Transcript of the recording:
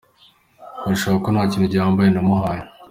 Birashoboka ko nta kintu gihambaye namuhaye.”